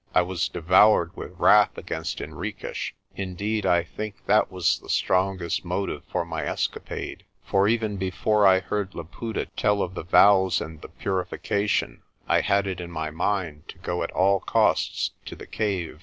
I was devoured with wrath against Henriques. Indeed, I think that was the strongest motive for my escapade, for even before I heard Laputa tell of the vows and the purification, I had it in my mind to go at all costs to the cave.